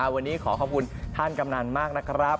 วันนี้ขอขอบคุณท่านกำนันมากนะครับ